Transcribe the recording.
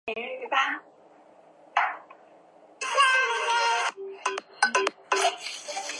金宝汤公司出品的一种罐头装的浓汤。